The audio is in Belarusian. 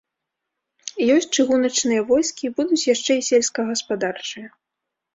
Ёсць чыгуначныя войскі, будуць яшчэ і сельскагаспадарчыя.